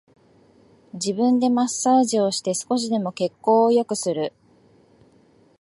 自分でマッサージをして少しでも血行を良くする